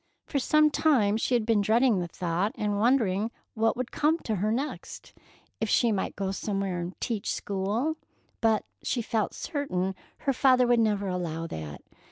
For some time she had been dreading the thought, and wondering what would come to her next? If she might go somewhere and "teach school,"—but she felt certain her father would never allow that.